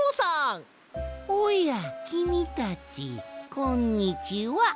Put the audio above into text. おやきみたちこんにちは。